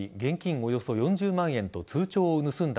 およそ４０万円と通帳を盗んだ